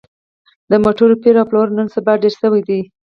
د موټرو پېر او پلور نن سبا ډېر شوی دی